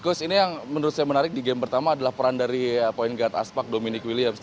gus ini yang menurut saya menarik di game pertama adalah peran dari point guard aspak dominic williams